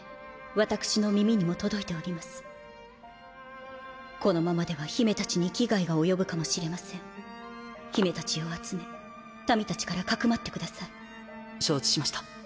私の耳にも届いてこのままでは姫たちに危害が及ぶかも姫たちを集め民たちからかくまってく承知しました